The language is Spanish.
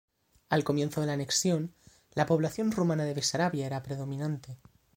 Al comienzo de la anexión, la población rumana de Besarabia era predominante.